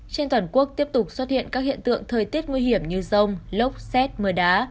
trên toàn quốc tiếp tục xuất hiện các hiện tượng thời tiết nguy hiểm như rông lốc xét mưa đá